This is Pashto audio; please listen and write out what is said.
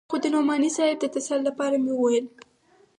خو د نعماني صاحب د تسل لپاره مې وويل.